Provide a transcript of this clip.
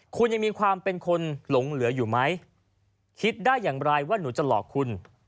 คุณยังมีความเป็นคนหลงเหลืออยู่ไหมคิดได้อย่างไรว่าหนูจะหลอกคุณ